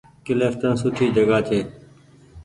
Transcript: ڪلڦٽن سوٺي جگآ ڇي۔